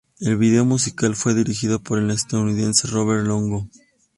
El video musical fue dirigido por el estadounidense Robert Longo.